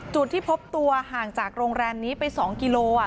จุดที่พบตัวห่างจากโรงแรมนี้ไป๒กิโล